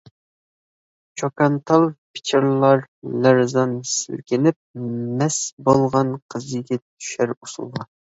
چوكانتال پىچىرلار لەرزان سىلكىنىپ، مەست بولغان قىز-يىگىت چۈشەر ئۇسۇلغا.